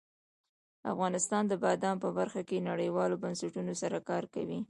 افغانستان د بادام په برخه کې نړیوالو بنسټونو سره کار کوي.